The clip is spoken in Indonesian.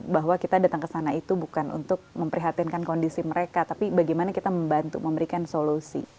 bahwa kita datang ke sana itu bukan untuk memprihatinkan kondisi mereka tapi bagaimana kita membantu memberikan solusi